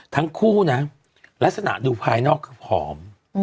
ทั้งคู่นะลักษณะดูภายนอกคือผอม